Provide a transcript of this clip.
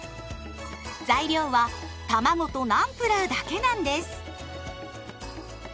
材料はたまごとナンプラーだけなんです。